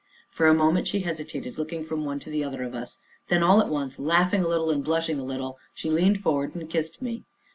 For a moment she hesitated, looking from one to the other of us then, all at once, laughing a little and blushing a little, she leaned forward and kissed me.